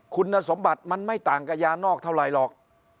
คุณสมบัติมันไม่ต่างกับยานอกเท่าไหร่หรอก